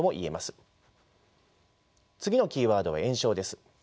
次のキーワードは延焼です。